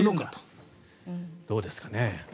どうですかね。